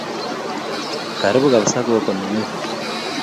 Karipu kapsa gogo nenyu